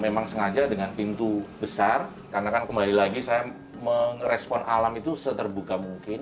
memang sengaja dengan pintu besar karena kan kembali lagi saya merespon alam itu seterbuka mungkin